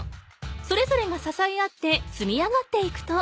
それぞれがささえ合ってつみ上がっていくと。